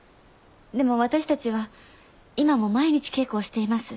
でも私たちは今も毎日稽古をしています。